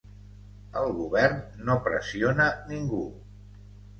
El govern no pressiona ningú